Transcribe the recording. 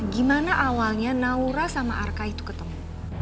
gimana awalnya naura sama arka itu ketemu